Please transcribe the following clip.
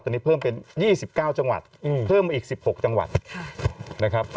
ตอนนี้เพิ่มเป็น๒๙จังหวัดเพิ่มมาอีก๑๖จังหวัดนะครับ